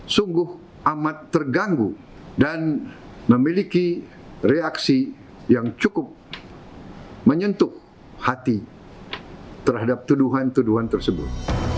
sungguh amat terganggu dan memiliki reaksi yang cukup menyentuh hati terhadap tuduhan tuduhan tersebut